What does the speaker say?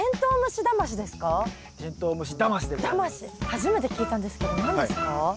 初めて聞いたんですけど何ですか？